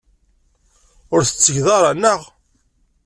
Ur t-tettgeḍ ara, naɣ?